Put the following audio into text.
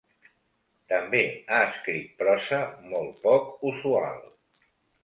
També ha escrit prosa molt poc usual.